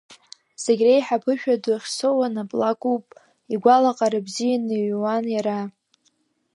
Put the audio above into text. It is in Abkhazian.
Зегь реиҳа аԥышәа ду ахьсоуа наплакуп, игәалаҟара бзианы иҩуан иара.